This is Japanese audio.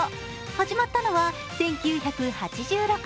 始まったのは１９８６年。